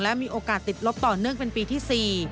และมีโอกาสติดลบต่อเนื่องเป็นปีที่๔